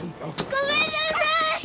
ごめんなさい！